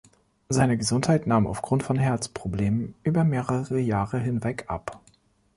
Seine Gesundheit nahm aufgrund von Herzproblemen über mehrere Jahre hinweg ab.